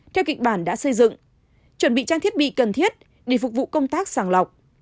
theo kịch bản đã xây dựng chuẩn bị trang thiết bị cần thiết để phục vụ công tác sàng lọc